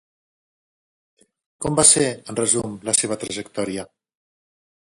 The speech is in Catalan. Com va ser, en resum, la seva trajectòria?